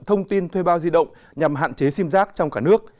thông tin thuê bao di động nhằm hạn chế sim giác trong cả nước